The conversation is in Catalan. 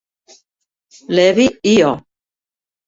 Levy i O.